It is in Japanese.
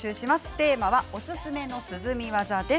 テーマはおすすめの涼み技です。